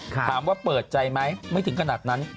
ถามว่าเปิดใจไหมไม่ถึงขนาดนั้น